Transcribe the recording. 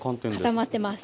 固まってます。